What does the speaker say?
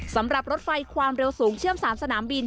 สำหรับรถไฟความเร็วสูงเชื่อม๓สนามบิน